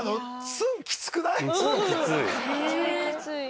ツンきつい。